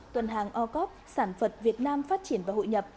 tuần hàng o cop sản vật việt nam phát triển và hội nhập